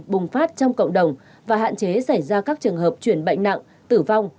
bùng phát trong cộng đồng và hạn chế xảy ra các trường hợp chuyển bệnh nặng tử vong